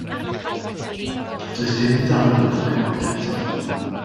Does dim dail ar y coed eto.